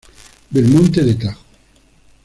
Belmonte de Tajo.